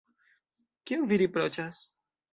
Kion vi riproĉas?